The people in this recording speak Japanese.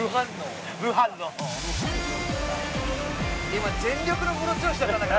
今。